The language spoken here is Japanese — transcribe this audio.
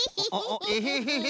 エヘヘヘ。